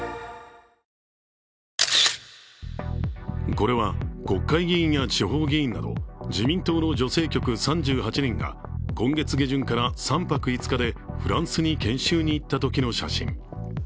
これは国会議員や地方議員など自民党の女性局３８人が今月下旬から３泊５日でフランスに研修に行ったときの写真。